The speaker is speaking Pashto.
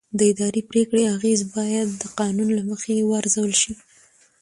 د اداري پرېکړې اغېز باید د قانون له مخې وارزول شي.